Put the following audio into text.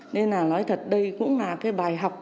nên là nói thật đây cũng là cái bài học